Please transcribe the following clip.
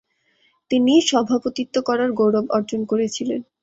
তিনি সভাপতিত্ব করার গৌরব অর্জন করেছিলেন।